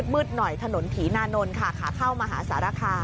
มืดหน่อยถนนถีนานนท์ค่ะขาเข้ามหาสารคาม